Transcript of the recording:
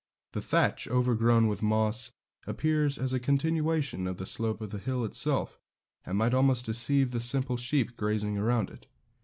The thatch, overgrown with moss, appears as a continuation of the slope of the hill itself, and might almost deceive the simple sheep grazing around it.